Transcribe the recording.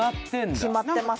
決まってます